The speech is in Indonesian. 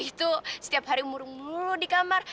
dia itu setiap hari murung murung di kamar